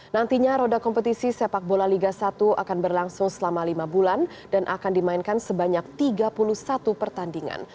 nantinya roda kompetisi sepak bola liga satu akan berlangsung selama lima bulan dan akan dimainkan sebanyak tiga puluh satu pertandingan